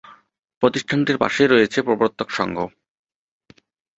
প্রতিষ্ঠানটির পাশেই রয়েছে প্রবর্তক সংঘ।